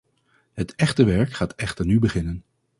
Het echte werk gaat echter nu beginnen.